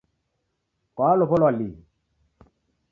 Kwalow'olwa lihi?